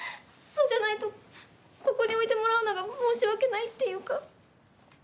そうじゃないとここに置いてもらうのが申し訳ないっていうか。